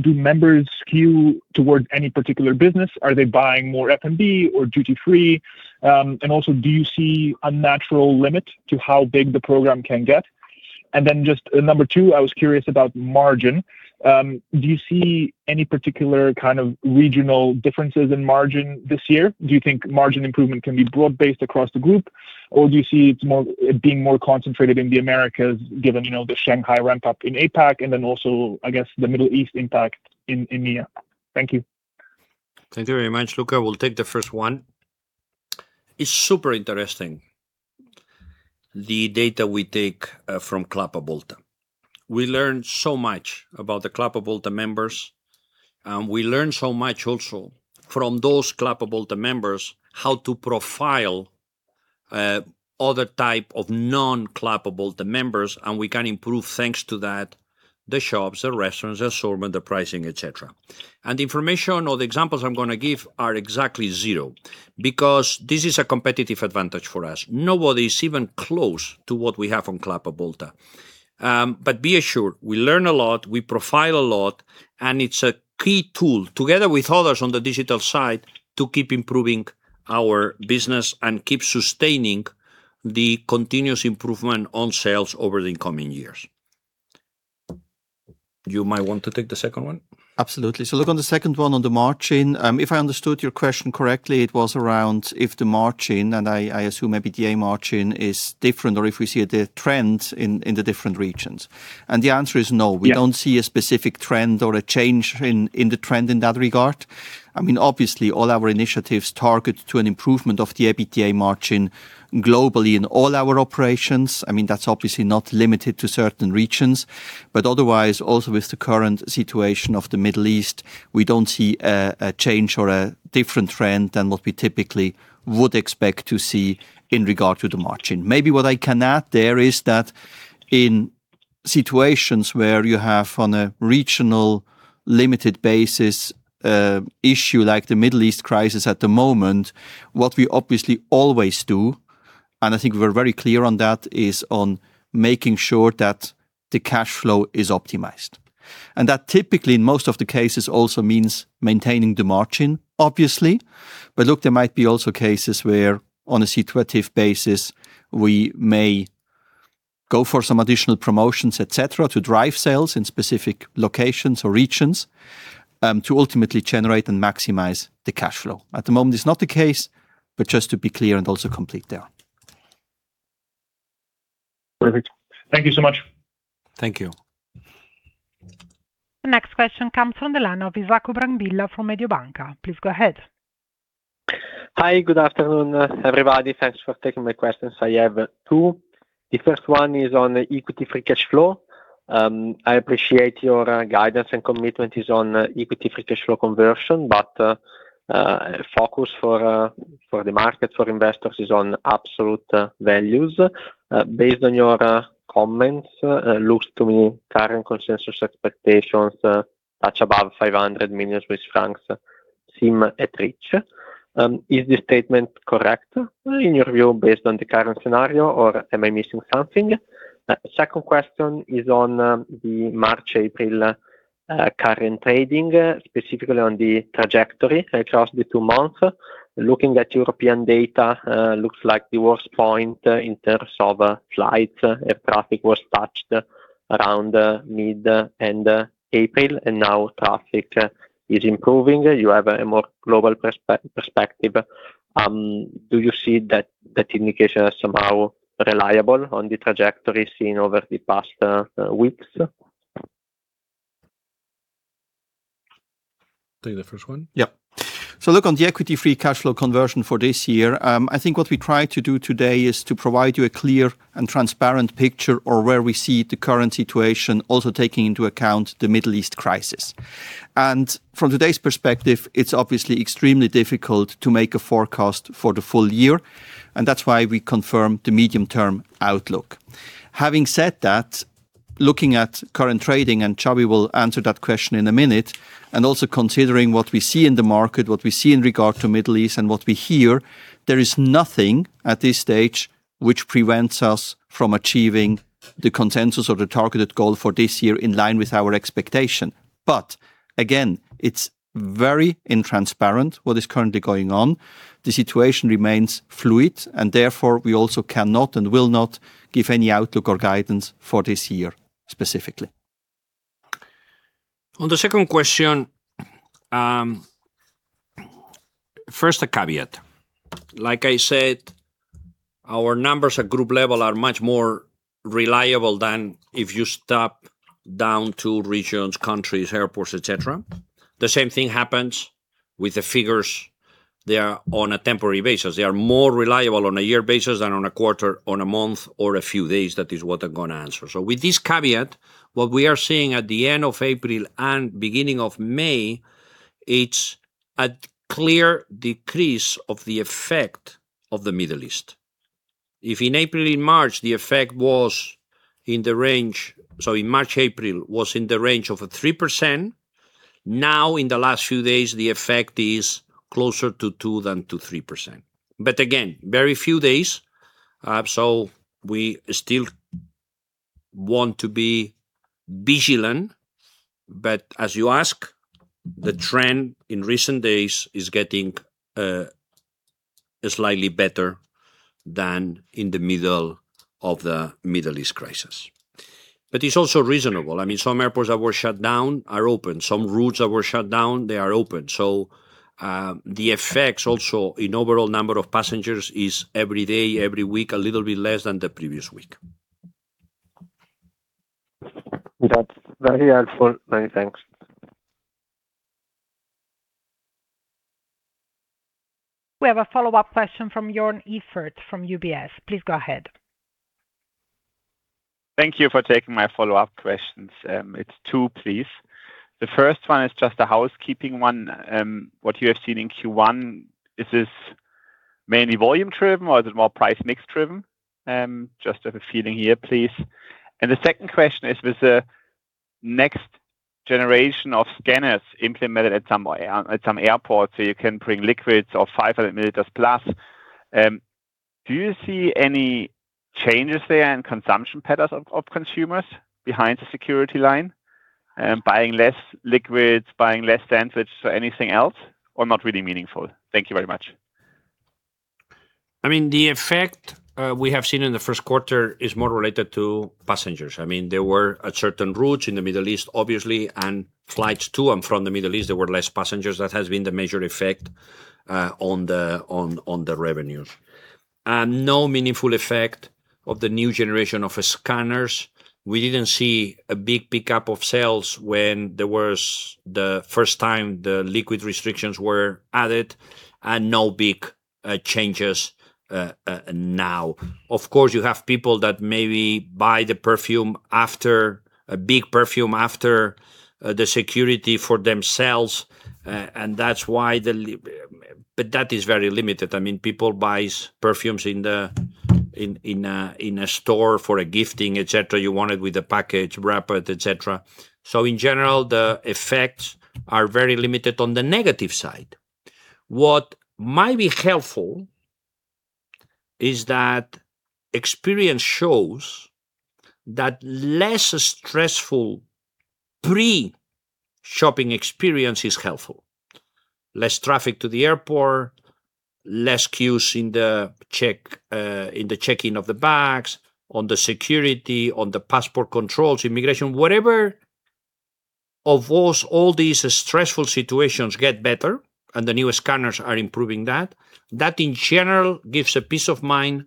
do members skew toward any particular business? Are they buying more F&B or duty-free? Do you see a natural limit to how big the program can get? Just number two, I was curious about margin. Do you see any particular kind of regional differences in margin this year? Do you think margin improvement can be broad-based across the group, or do you see it being more concentrated in the Americas given, you know, the Shanghai ramp-up in APAC and I guess, the Middle East impact in EMEA? Thank you. Thank you very much, Luca. We'll take the first one. It's super interesting, the data we take from Club Avolta. We learn so much about the Club Avolta members, and we learn so much also from those Club Avolta members how to profile other type of non-Club Avolta members, and we can improve, thanks to that, the shops, the restaurants, the assortment, the pricing, et cetera. The information or the examples I'm gonna give are exactly zero because this is a competitive advantage for us. Nobody is even close to what we have on Club Avolta. Be assured, we learn a lot, we profile a lot, and it's a key tool, together with others on the digital side, to keep improving our business and keep sustaining the continuous improvement on sales over the incoming years. You might want to take the second one. Absolutely. Look, on the second one on the margin, if I understood your question correctly, it was around if the margin, and I assume EBITDA margin, is different or if we see the trends in the different regions. The answer is no. Yeah. We don't see a specific trend or a change in the trend in that regard. I mean, obviously, all our initiatives target to an improvement of the EBITDA margin globally in all our operations. I mean, that's obviously not limited to certain regions. Otherwise, also with the current situation of the Middle East, we don't see a change or a different trend than what we typically would expect to see in regard to the margin. Maybe what I can add there is that in situations where you have, on a regional limited basis, issue like the Middle East crisis at the moment, what we obviously always do, and I think we're very clear on that, is on making sure that the cash flow is optimized. That typically, in most of the cases, also means maintaining the margin, obviously. Look, there might be also cases where, on a situative basis, we may go for some additional promotions, et cetera, to drive sales in specific locations or regions, to ultimately generate and maximize the cash flow. At the moment, it's not the case, but just to be clear and also complete there. Perfect. Thank you so much. Thank you. The next question comes from the line of Isacco Brambilla from Mediobanca. Please go ahead. Hi. Good afternoon, everybody. Thanks for taking my questions. I have two. The first one is on the equity free cash flow. I appreciate your guidance and commitment is on equity free cash flow conversion, but focus for the market, for investors is on absolute values. Based on your comments looks to me current consensus expectations touch above 500 million Swiss francs seem at reach. Is this statement correct in your view, based on the current scenario, or am I missing something? Second question is on the March/April current trading specifically on the trajectory across the two months. Looking at European data looks like the worst point in terms of flight traffic was touched around mid-April, and now traffic is improving. You have a more global perspective. Do you see that indication as somehow reliable on the trajectory seen over the past weeks? Take the first one? Yeah. Look, on the equity free cash flow conversion for this year, I think what we try to do today is to provide you a clear and transparent picture of where we see the current situation, also taking into account the Middle East crisis. From today's perspective, it's obviously extremely difficult to make a forecast for the full year, and that's why we confirm the medium-term outlook. Having said that, looking at current trading, and Xavi will answer that question in a minute, and also considering what we see in the market, what we see in regard to Middle East and what we hear, there is nothing at this stage which prevents us from achieving the consensus or the targeted goal for this year in line with our expectation. Again, it's very intransparent what is currently going on. The situation remains fluid and therefore we also cannot and will not give any outlook or guidance for this year specifically. On the second question, first a caveat. Like I said, our numbers at group level are much more reliable than if you stop down to regions, countries, airports, et cetera. The same thing happens with the figures. They are on a temporary basis. They are more reliable on a year basis than on a quarter, on a month or a few days. That is what I'm gonna answer. With this caveat, what we are seeing at the end of April and beginning of May, it's a clear decrease of the effect of the Middle East. If in April and March, the effect was in the range in March, April, was in the range of a 3%, now in the last few days, the effect is closer to 2% than to 3%. But again, very few days, we still want to be vigilant. As you ask, the trend in recent days is getting slightly better than in the middle of the Middle East crisis. It's also reasonable. I mean, some airports that were shut down are open. Some routes that were shut down, they are open. The effects also in overall number of passengers is every day, every week, a little bit less than the previous week. That's very helpful. Many thanks. We have a follow-up question from Joern Iffert from UBS. Please go ahead. Thank you for taking my follow-up questions. It's two, please. The first one is just a housekeeping one. What you have seen in Q1, is this mainly volume driven or is it more price mix driven? Just have a feeling here, please. The second question is, with the next generation of scanners implemented at some airports, so you can bring liquids of 500+ ml, do you see any changes there in consumption patterns of consumers behind the security line, buying less liquids, buying less sandwich or anything else, or not really meaningful? Thank you very much. The effect we have seen in the first quarter is more related to passengers. There were a certain routes in the Middle East, obviously, and flights to and from the Middle East, there were less passengers. That has been the major effect on the revenues. No meaningful effect of the new generation of scanners. We didn't see a big pickup of sales when there was the first time the liquid restrictions were added and no big changes now. Of course, you have people that maybe buy the perfume after a big perfume after the security for themselves. That is very limited. People buy perfumes in a store for a gifting, et cetera. You want it with a package, wrapped, et cetera. In general, the effects are very limited on the negative side. What might be helpful is that experience shows that less stressful pre-shopping experience is helpful. Less traffic to the airport, less queues in the checking of the bags, on the security, on the passport controls, immigration. Whatever of those, all these stressful situations get better, and the new scanners are improving that. That, in general, gives a peace of mind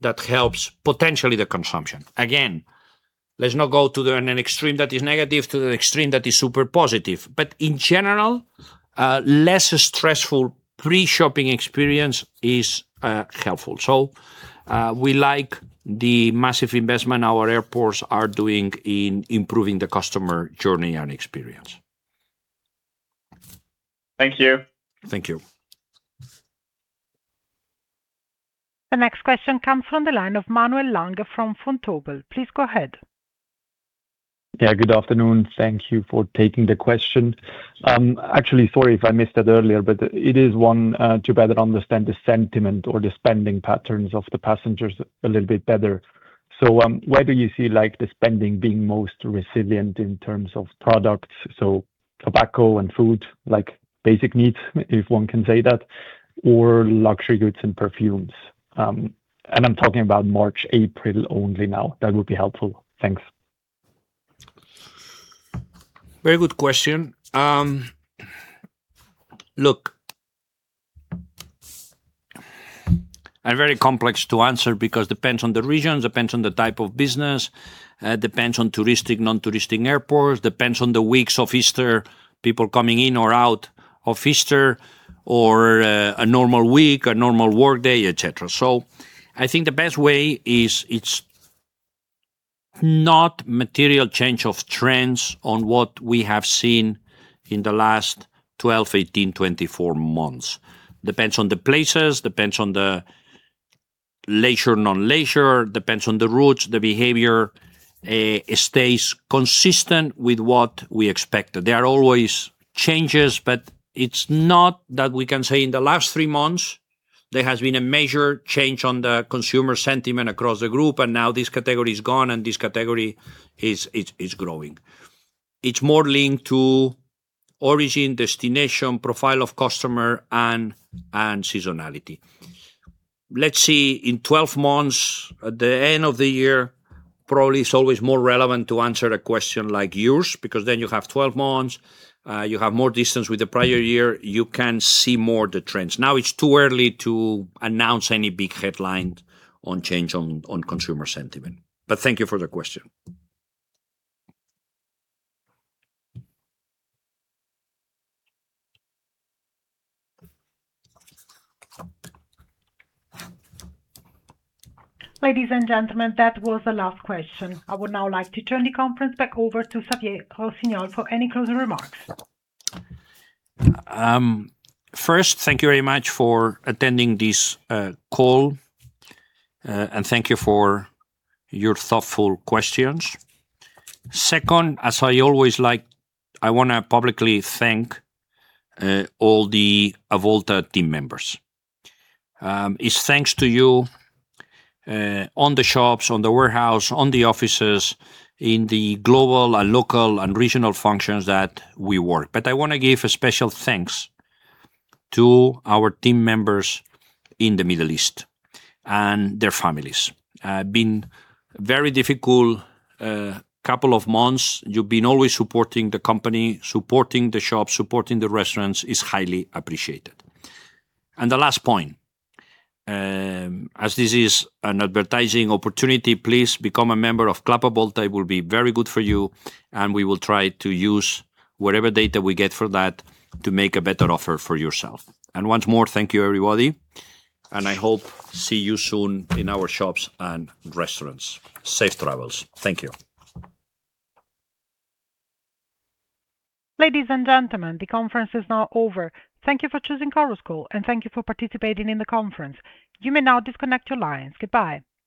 that helps potentially the consumption. Again, let's not go to an extreme that is negative, to the extreme that is super positive. In general, a less stressful pre-shopping experience is helpful. We like the massive investment our airports are doing in improving the customer journey and experience. Thank you. Thank you. The next question comes from the line of Manuel Lang from Vontobel. Please go ahead. Yeah, good afternoon. Thank you for taking the question. Actually, sorry if I missed that earlier, it is one to better understand the sentiment or the spending patterns of the passengers a little bit better. Where do you see, like, the spending being most resilient in terms of products? Tobacco and food, like basic needs, if one can say that, or luxury goods and perfumes. I'm talking about March, April only now. That would be helpful. Thanks. Very good question. Look and very complex to answer because depends on the regions, depends on the type of business, depends on touristic, non-touristic airports, depends on the weeks of Easter, people coming in or out of Easter or, a normal week, a normal workday, et cetera. I think the best way is it's not material change of trends on what we have seen in the last 12, 18, 24 months. Depends on the places, depends on the leisure, non-leisure, depends on the routes, the behavior, it stays consistent with what we expected. There are always changes, but it's not that we can say in the last three months there has been a major change on the consumer sentiment across the group, and now this category is gone and this category is growing. It's more linked to origin, destination, profile of customer and seasonality. Let's see, in 12 months at the end of the year, probably it's always more relevant to answer a question like yours because then you have 12 months, you have more distance with the prior year, you can see more the trends. Now, it's too early to announce any big headline on change on consumer sentiment. Thank you for the question. Ladies and gentlemen, that was the last question. I would now like to turn the conference back over to Xavier Rossinyol for any closing remarks. First, thank you very much for attending this call and thank you for your thoughtful questions. Second, as I always like, I want to publicly thank all the Avolta team members. It's thanks to you on the shops, on the warehouse, on the offices, in the global and local and regional functions that we work. I want to give a special thanks to our team members in the Middle East and their families. Been very difficult couple of months. You've been always supporting the company, supporting the shop, supporting the restaurants. It's highly appreciated. The last point, as this is an advertising opportunity, please become a member of Club Avolta. It will be very good for you, and we will try to use whatever data we get for that to make a better offer for yourself. Once more, thank you, everybody, and I hope see you soon in our shops and restaurants. Safe travels. Thank you. Ladies and gentlemen, the conference is now over. Thank you for choosing Chorus Call, and thank you for participating in the conference. You may now disconnect your lines. Goodbye.